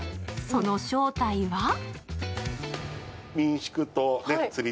その正体は？